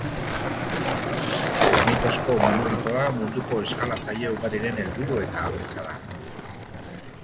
Granitozko monolitoa munduko eskalatzaile ugariren helburu eta ametsa da.